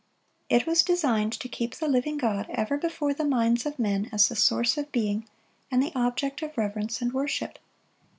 It was designed to keep the living God ever before the minds of men as the source of being and the object of reverence and worship.